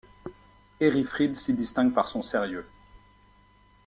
Hérifrid s'y distingue par son sérieux.